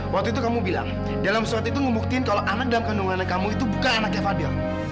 waktu itu kamu bilang dalam surat itu ngebuktiin kalau anak dalam kandungan oleh kamu itu bukan anaknya fadil